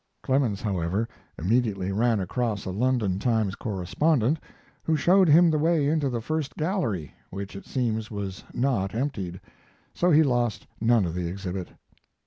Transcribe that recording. Clemens, however, immediately ran across a London Times correspondent, who showed him the way into the first gallery, which it seems was not emptied, so he lost none of the exhibit.